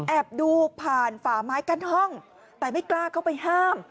ดูผ่านฝ่าไม้กั้นห้องแต่ไม่กล้าเข้าไปห้าม